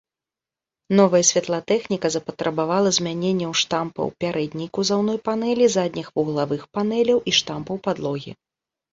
Новая святлатэхніка запатрабавала змяненняў штампаў пярэдняй кузаўной панэлі, задніх вуглавых панэляў і штампаў падлогі.